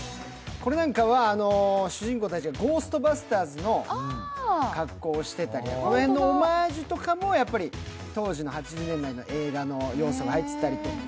これなんかは、主人公たちが「ゴーストバスターズ」の格好をしてたりとか、この辺のオマージュも、当時の８０年代の映画の要素も入っていたりとか。